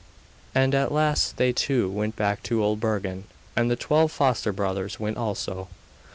And at last they two went back to Old Bergen, and the twelve foster brothers went also.